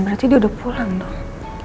berarti dia udah pulang dong